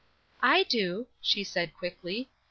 "I do," she said, quickly.